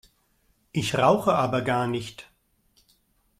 Ich rauche aber gar nicht!